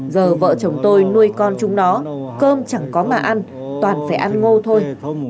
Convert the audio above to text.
giờ vợ chồng tôi nuôi con chúng nó cơm chẳng có mà ăn toàn phải ăn ngô thôi